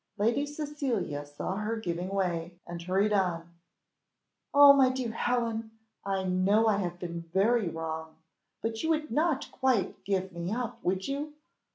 Lady Cecilia saw her giving way and hurried on "Oh, my dear Helen! I know I have been very wrong, but you would not quite give me up, would you?